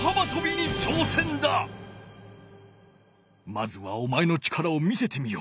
まずはお前の力を見せてみよ。